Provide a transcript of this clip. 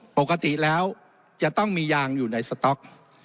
ปกติแล้วจะต้องมียางอยู่ในสต๊อก